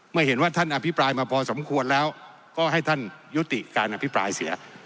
เมื่อเห็นว่าท่านอภิปรายมาพอสมควรแล้วก็ให้ท่านยุติการอภิปรายเสีย